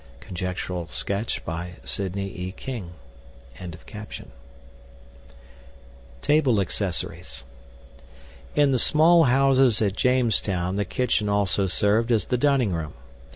(Conjectural sketch by Sidney E. King.)] Table Accessories In the small houses at Jamestown the kitchen also served as the dining room.